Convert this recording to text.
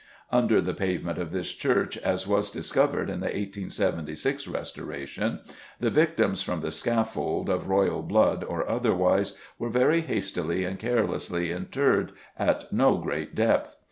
Under the pavement of this church, as was discovered at the 1876 restoration, the victims from the scaffold, of royal blood or otherwise, were very hastily and carelessly interred, at no great depth.